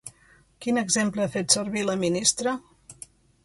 Quin exemple ha fet servir la ministra?